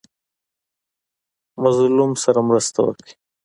مظلوم سره مرسته وکړئ